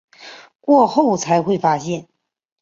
过后才会发现